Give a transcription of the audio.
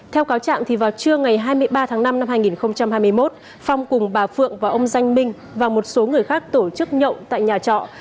theo cáo trạng vào trưa ngày hai mươi ba tháng năm năm hai nghìn hai mươi một phong cùng bà phượng và ông danh minh và một số người khác tổ chức nhậu tại nhà trọ